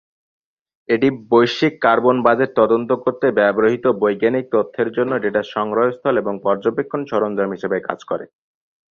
এটি বৈশ্বিক carbon budget তদন্ত করতে ব্যবহৃত বৈজ্ঞানিক তথ্যের জন্য ডেটা সংগ্রহস্থল এবং পর্যবেক্ষণ সরঞ্জাম হিসাবে কাজ করে।